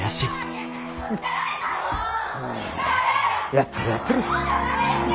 やっとるやっとる。